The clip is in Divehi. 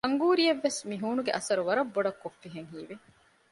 އަންގޫރީއަށް ވެސް މިހޫނުގެ އަސަރު ވަރަށް ބޮޑަށް ކޮށްފިހެން ހީވެ